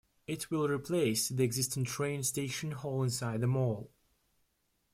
It will replace the existing train station hall inside the mall.